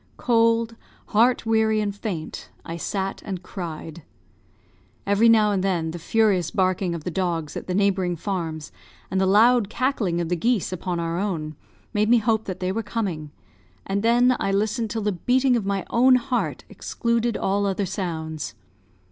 Cold, heart weary, and faint, I sat and cried. Every now and then the furious barking of the dogs at the neighbouring farms, and the loud cackling of the geese upon our own, made me hope that they were coming; and then I listened till the beating of my own heart excluded all other sounds.